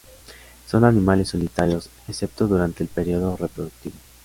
Son animales solitarios, excepto durante el período reproductivo.